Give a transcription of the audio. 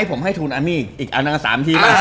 ผมให้ครูลั่นอันอีกอันนั้นสามที